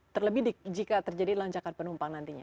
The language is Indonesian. terlebih jika terjadi lonjakan penumpang nantinya